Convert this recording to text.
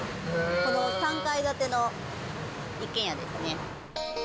この３階建ての一軒家ですね。